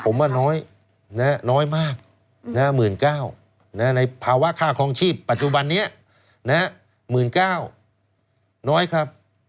ผมว่าน้อยน้อยมาก๑๙๐๐ในภาวะค่าคลองชีพปัจจุบันนี้๑๙๐๐น้อยครับ